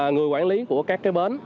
người quản lý của các cái bến